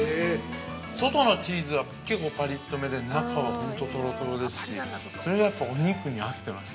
外のチーズが結構パリっとめで中はほんととろとろですし、それがやっぱお肉に合ってます。